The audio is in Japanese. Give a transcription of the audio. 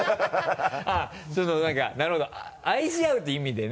あっその何かなるほど愛し合うって意味でね？